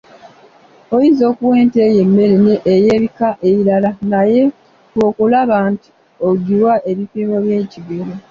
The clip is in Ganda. Oyinza okuwa ente yo emmere ey’ebika ebirala naye fuba okulaba nti ogiwa ebipimo eby’ekigero.